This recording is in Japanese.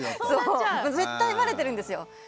そう絶対バレてるんですよ。